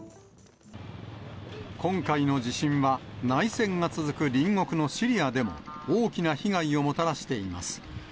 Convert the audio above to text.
今回の地震は、内戦が続く隣国のシリアでも大きな被害をもたらしています。